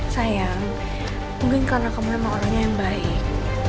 sayang mungkin karena kamu memang orangnya yang baik